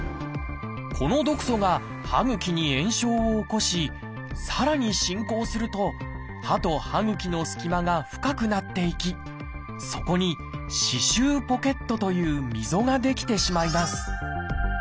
この毒素が歯ぐきに炎症を起こしさらに進行すると歯と歯ぐきの隙間が深くなっていきそこに「歯周ポケット」という溝が出来てしまいます。